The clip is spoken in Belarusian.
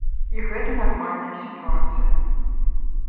І гэта нармальная сітуацыя.